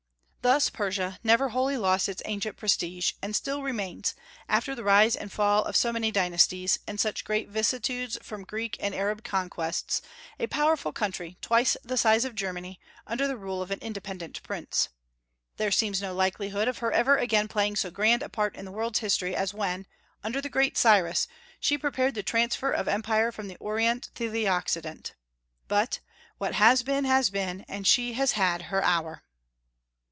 Thus Persia never lost wholly its ancient prestige, and still remains, after the rise and fall of so many dynasties, and such great vicissitudes from Greek and Arab conquests, a powerful country twice the size of Germany, under the rule of an independent prince. There seems no likelihood of her ever again playing so grand a part in the world's history as when, under the great Cyrus, she prepared the transfer of empire from the Orient to the Occident. But "what has been, has been, and she has had her hour."